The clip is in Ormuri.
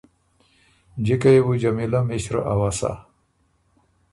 جِکه يې بو جمیلۀ مِݭره اؤسا